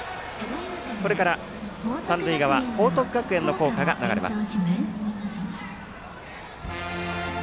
これから三塁側報徳学園の校歌が流れます。